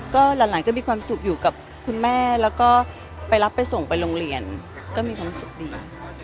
ก็หลานก็มีความสุขอยู่กับคุณแม่แล้วก็ไปรับไปส่งไปโรงเรียนก็มีความสุขดี